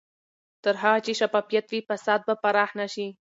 تر هغه چې شفافیت وي، فساد به پراخ نه شي.